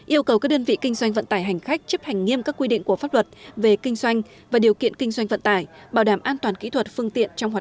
yêu cầu các đơn vị kinh doanh vận tải hành khách chấp hành nghiêm các quy định của pháp luật